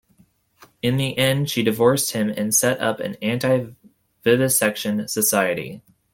In the end, she divorced him and set up an anti-vivisection society.